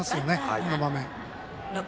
この場面。